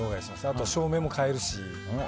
あと照明も変えるし。